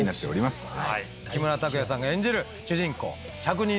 木村拓哉さんが演じる主人公着任